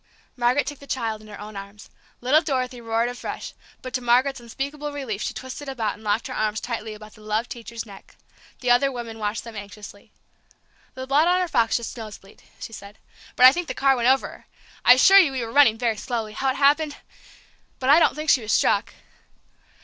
Margaret took the child in her own arms. Little Dorothy roared afresh, but to Margaret's unspeakable relief she twisted about and locked her arms tightly about the loved teacher's neck. The other woman watched them anxiously. "That blood on her frock's just nosebleed," she said; "but I think the car went over her! I assure you we were running very slowly. How it happened ! But I don't think she was struck."